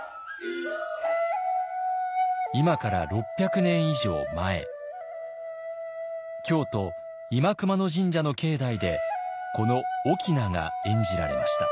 今から６００年以上前京都新熊野神社の境内でこの「翁」が演じられました。